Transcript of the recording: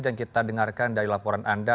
dan kita dengarkan dari laporan anda